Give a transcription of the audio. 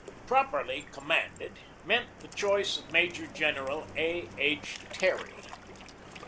"Properly commanded" meant the choice of Major General A. H. Terry.